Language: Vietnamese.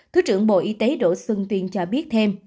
thứ trưởng bộ y tế đỗ xuân tuyên cho biết thêm